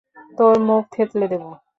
তোর মুখ থেঁতলে দেবো।